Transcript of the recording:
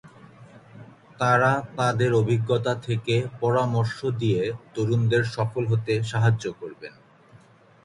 তাঁরা তাঁদের অভিজ্ঞতা থেকে পরামর্শ দিয়ে তরুণদের সফল হতে সাহায্য করবেন।